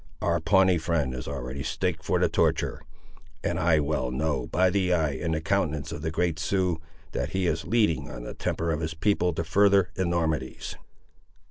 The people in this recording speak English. "Our Pawnee friend is already staked for the torture, and I well know, by the eye and the countenance of the great Sioux, that he is leading on the temper of his people to further enormities."